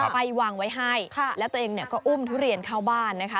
ไปวางไว้ให้แล้วตัวเองเนี่ยก็อุ้มทุเรียนเข้าบ้านนะคะ